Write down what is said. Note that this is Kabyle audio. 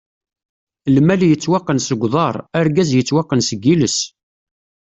Lmal yettwaqqan seg uḍaṛ, argaz yettwaqqan seg iles!